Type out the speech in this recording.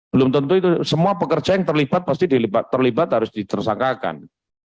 belum tentu itu semua pekerja yang terlibat pasti terlibat harus ditersangkakan